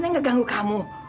nenek ga ganggu kamu